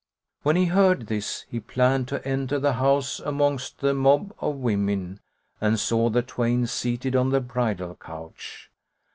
When he heard this, he planned to enter the house amongst the mob of women and saw the twain seated on the bridal couch.